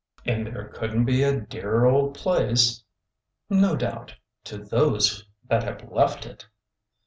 '' And there could n't be a dearer old place." ''No doubt— to those that have left it!